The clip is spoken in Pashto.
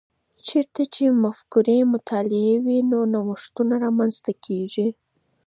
چیرته چي مفکورې مطالعې وي، نو نوښتونه رامنځته کیږي؟